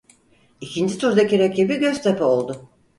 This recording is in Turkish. İkinci turdaki rakibi Göztepe oldu.